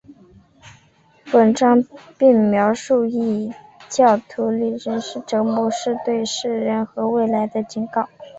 本章并描述异教徒历代的折磨是对世人和未来的警告。